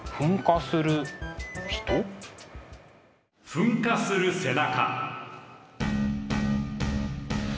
「噴火する背中」。